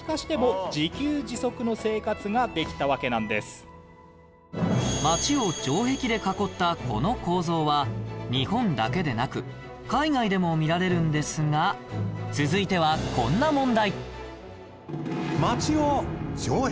そして街を城壁で囲ったこの構造は日本だけでなく海外でも見られるんですが続いてはこんな問題